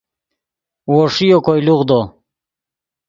وو ݰیو کوئے لوغدو